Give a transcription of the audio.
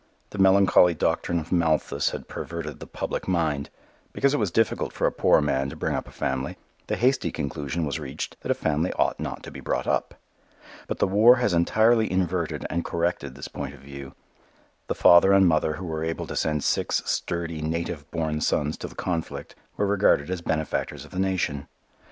The melancholy doctrine of Malthus had perverted the public mind. Because it was difficult for a poor man to bring up a family, the hasty conclusion was reached that a family ought not to be brought up. But the war has entirely inverted and corrected this point of view. The father and mother who were able to send six sturdy, native born sons to the conflict were regarded as benefactors of the nation.